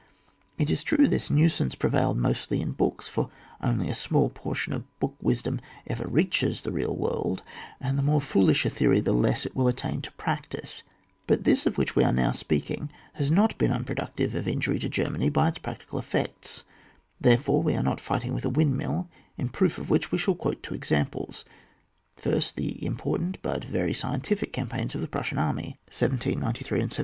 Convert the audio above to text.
It is true that this nuisance prevailed mostly in books, for only a small portion of book wisdom ever reaches the real world, and the more foolish a theory the less it will attain to practice; but this of which we are now speaking has not been unproductive of injury to Germany by its practical effects, therefore we are not fighting with a windmill, in proof of which we shall quote two examples; first, the important but very scientific campaigns of the Prussian army, 1793 156 ON WAR. [book VI.